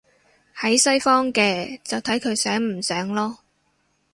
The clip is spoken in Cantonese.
喺西方嘅，就睇佢醒唔醒囉